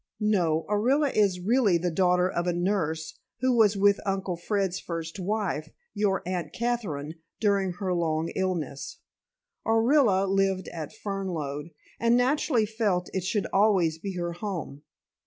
"No. Orilla is really the daughter of a nurse who was with Uncle Fred's first wife, your Aunt Katherine, during her long illness. Orilla lived at Fernlode, and naturally felt it should always be her home.